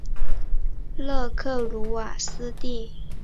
勒克鲁瓦斯蒂。